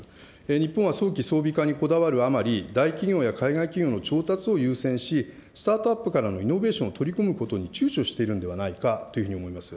日本は早期装備化にこだわるあまり、大企業や海外企業の調達を優先し、スタートアップからのイノベーションを取り込むことにちゅうちょしているんではないかというふうに思います。